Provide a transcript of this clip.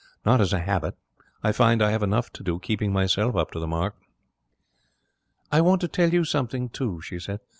Not as a habit. I find I have enough to do keeping myself up to the mark.' 'I want to tell you something, too,' she said.